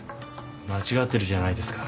間違ってるじゃないですか。